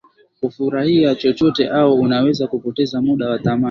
kufurahia chochote Au unaweza kupoteza muda wa thamani